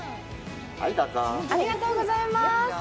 ありがとうございます。